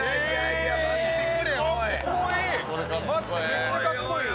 めちゃかっこいい。